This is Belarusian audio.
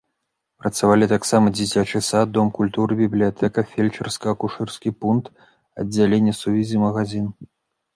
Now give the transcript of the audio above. Працавалі таксама дзіцячы сад, дом культуры, бібліятэка, фельчарска-акушэрскі пункт, аддзяленне сувязі, магазін.